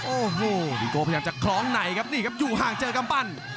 โอ้โหดิโกพยายามจะคล้องในครับนี่ครับอยู่ห่างเจอกำปั้น